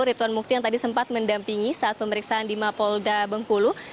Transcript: rituan mukti yang tadi sempat mendampingi saat pemeriksaan di mapolda bengkulu